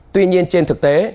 tuy nhiên trên thực tế